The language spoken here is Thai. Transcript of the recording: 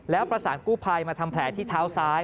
แล้วประสานกู้ภัยมาทำแผลที่เท้าซ้าย